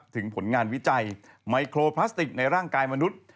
ถึงผลงานวิจัยไมโครพลาสติกในร่างกายมนุษย์